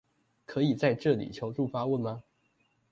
可以在這裡求助發問嗎